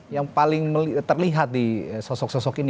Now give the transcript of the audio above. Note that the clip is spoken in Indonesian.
yang paling terlihat di sosok sosok ini